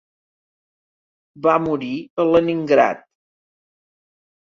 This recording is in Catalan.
Va morir a Leningrad.